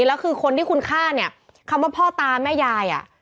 แล้วคือคนที่คุณฆ่าเนี่ยคำว่าพ่อตาแม่ยายอ่ะ